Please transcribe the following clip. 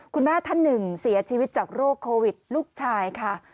ท่านหนึ่งเสียชีวิตจากโรคโควิดลูกชายค่ะ